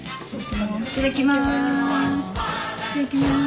いただきます。